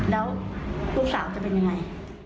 แล้วลูกสาวจะเป็นยังไง